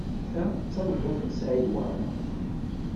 Ta d tameṭṭut n Saɛid Waɛmaṛ?